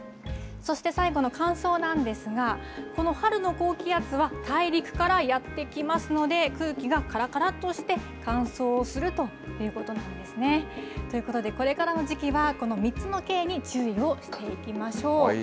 そして最後の乾燥なんですが、この春の高気圧は大陸からやって来ますので、空気がからからっとして乾燥するということなんですね。ということで、これからの時期は、この３つのＫに注意をしていきましょう。